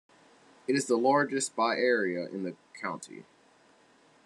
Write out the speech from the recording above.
It is the largest by area in the county.